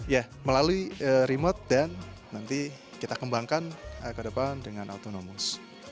ya melalui remote dan nanti kita kembangkan ke depan dengan autonomous